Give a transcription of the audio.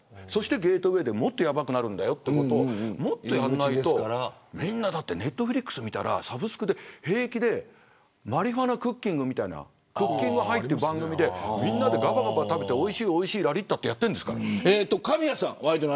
ゲートウェイでもっとやばくなるんだよというのをもっとやんないとだってネットフリックス見たら平気でマリフアナクッキングみたいなクッキング・ハイという番組でみんなでがばがば食べておいしいおいしい、ラリったって神谷さん。